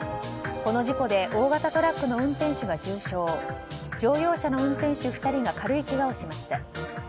この事故で大型トラックの運転手が重傷乗用車の運転手２人が軽いけがをしました。